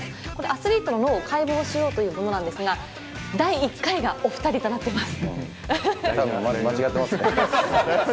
アスリートの脳を解剖しようというものなんですが第１回がお二人となっています。